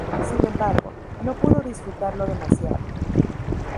Sin embargo, no pudo disfrutarlo demasiado.